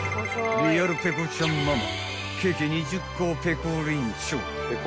［リアルペコちゃんママケーキ２０個をペコリンチョ］